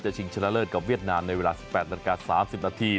ชิงชนะเลิศกับเวียดนามในเวลา๑๘นาฬิกา๓๐นาที